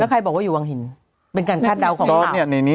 แล้วใครบอกว่าอยู่วังหินเป็นการคาดเดาของเมื่อไหร่